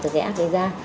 không có rắc lại